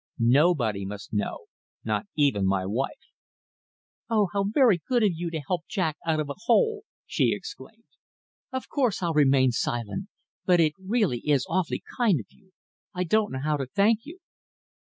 Nobody must know not even my wife." "Oh! how very good of you to help Jack out of a hole!" she exclaimed. "Of course I'll remain silent. But it really is awfully kind of you. I don't know how to thank you."